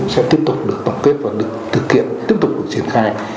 sẽ tiếp tục được tổng kết và được thực hiện tiếp tục được triển khai